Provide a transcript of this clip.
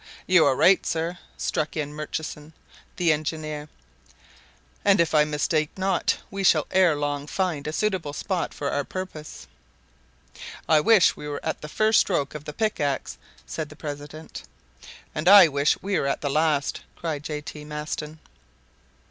"You are right, sir," struck in Murchison, the engineer; "and, if I mistake not, we shall ere long find a suitable spot for our purpose." "I wish we were at the first stroke of the pickaxe," said the president. "And I wish we were at the last," cried J. T. Maston.